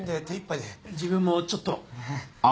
自分もちょっと。